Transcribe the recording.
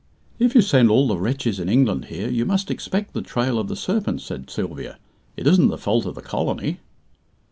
"If you send all the wretches in England here, you must expect the Trail of the Serpent," said Sylvia. "It isn't the fault of the colony."